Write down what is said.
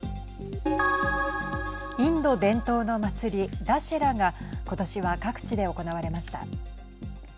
インド伝統の祭り、ダシェラが今年は各地で行われました。